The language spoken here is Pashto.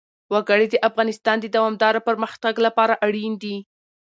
وګړي د افغانستان د دوامداره پرمختګ لپاره اړین دي.